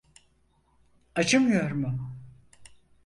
Acımıyor mu?